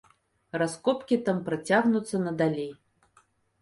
Раскопкі там працягнуцца надалей.